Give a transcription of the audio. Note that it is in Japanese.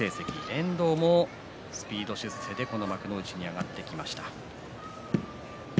遠藤もスピード出世で幕内に上がってきました。